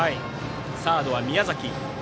サードは宮崎。